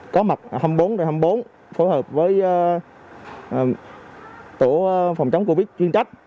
có mặt hai mươi bốn hai mươi bốn phối hợp với tổ phòng chống covid chuyên trách